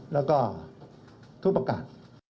แล้วก็ทุกประกาศ